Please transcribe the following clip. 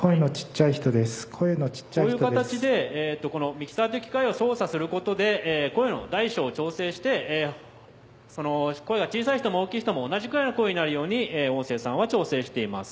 こういう形でこのミキサーという機械を操作することで声の大小を調整して声が小さい人も大きい人も同じくらいの声になるように音声さんは調整しています。